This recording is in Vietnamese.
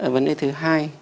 vấn đề thứ hai